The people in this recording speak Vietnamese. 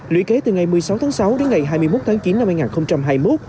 lũy kế từ ngày một mươi sáu tháng sáu đến ngày hai mươi một tháng chín năm hai nghìn hai mươi một